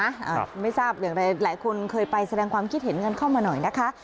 อ่าไม่ทราบอย่างไรหลายคนเคยไปแสดงความคิดเห็นกันเข้ามาหน่อยนะคะ